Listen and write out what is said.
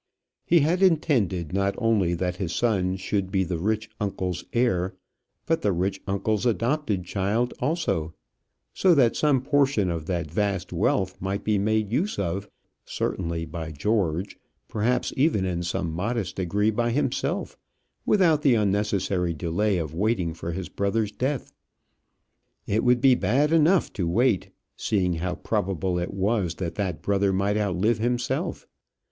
He had intended not only that his son should be the rich uncle's heir, but the rich uncle's adopted child also; so that some portion of that vast wealth might be made use of, certainly by George, perhaps even in some modest degree by himself, without the unnecessary delay of waiting for his brother's death. It would be bad enough to wait, seeing how probable it was that that brother might outlive himself.